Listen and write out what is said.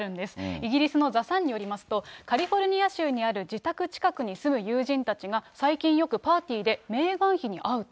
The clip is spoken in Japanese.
イギリスのザ・サンによりますと、カリフォルニア州にある自宅近くに住む友人たちが最近、よくパーティーでメーガン妃に会うと。